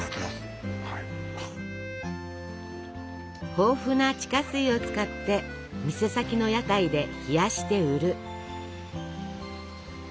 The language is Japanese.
豊富な地下水を使って店先の屋台で冷やして売る。